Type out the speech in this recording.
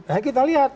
nah kita lihat